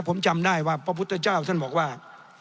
ผมจำได้ว่าพระพุทธเจ้าท่านบอกว่า